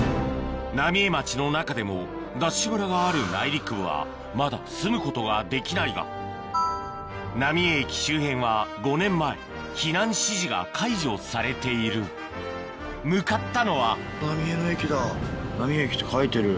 浪江町の中でもＤＡＳＨ村がある内陸部はまだ住むことができないが浪江駅周辺は５年前避難指示が解除されている向かったのは浪江の駅だ浪江駅って書いてる。